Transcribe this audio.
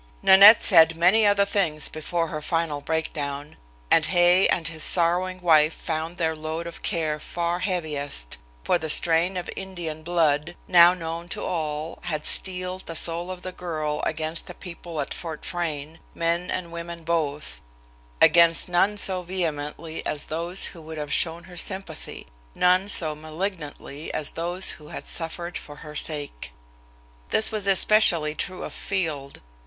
Nanette said many other things before her final breakdown; and Hay and his sorrowing wife found their load of care far heaviest, for the strain of Indian blood, now known to all, had steeled the soul of the girl against the people at Fort Frayne, men and women both against none so vehemently as those who would have shown her sympathy none so malignantly as those who had suffered for her sake. This was especially true of Field.